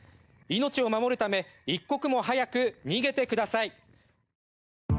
命を守るため一刻も早く逃げてください。